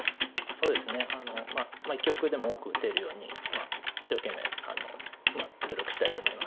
そうですね一局でも多く打てるように一生懸命努力したいと思います。